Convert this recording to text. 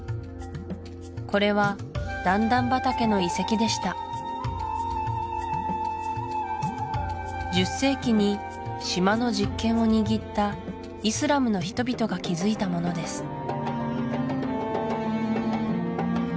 これは段々畑の遺跡でした１０世紀に島の実権を握ったイスラムの人々が築いたものです